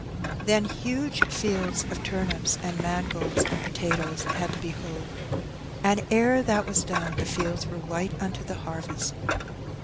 Then huge fields of turnips and mangolds and potatoes had to be hoed, and ere that was done the fields were white unto the harvest.